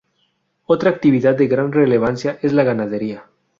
Otra actividad de gran relevancia es la ganadería.